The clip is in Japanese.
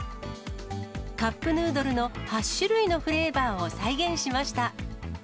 カップヌードルの８種類のフレーバーを再現しました。